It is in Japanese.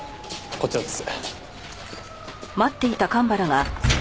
こちらです。